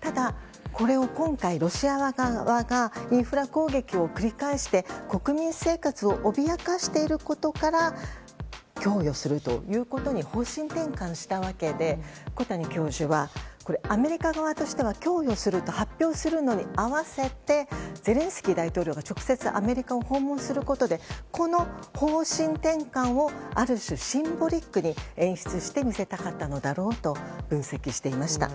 ただ、これを今回ロシア側がインフラ攻撃を繰り返して、国民生活を脅かしていることから供与するということに方針転換したわけで小谷教授はアメリカ側としては供与すると発表するのに合わせてゼレンスキー大統領が直接アメリカを訪問することでこの方針転換をある種、シンボリックに演出して見せたかったのだろうと分析していました。